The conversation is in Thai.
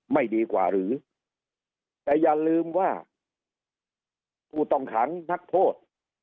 ไม่ดีกว่าหรือแต่อย่าลืมว่าผู้ต้องขังนักโทษ